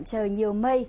chờ nhiều mây